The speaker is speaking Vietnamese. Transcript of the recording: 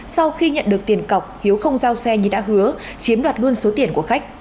sau khi nhận được tiền cọc hiếu không giao xe như đã hứa chiếm đoạt luôn số tiền của khách